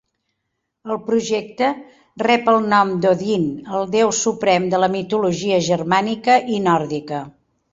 El projecte rep el nom d'Odin, el déu suprem de la mitologia germànica i nòrdica.